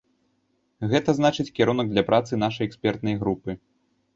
Гэта значыць, кірунак для працы нашай экспертнай групы.